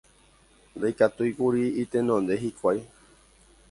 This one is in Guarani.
Ndaikatúikuri itenonde hikuái